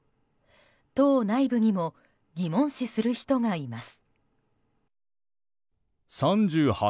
党内部にも疑問視する人がいます。